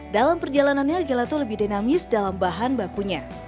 dalam perjalanannya gelato lebih dinamis dalam bahan bakunya